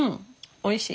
おいしい。